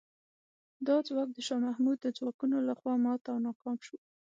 دا ځواک د شاه محمود د ځواکونو له خوا مات او ناکام شو.